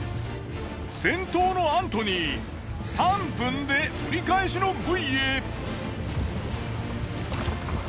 先頭のアントニー３分で折り返しのブイへ。